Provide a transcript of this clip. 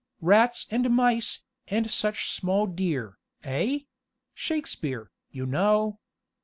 'Rats and mice, and such small deer,' eh? Shakespeare, you know.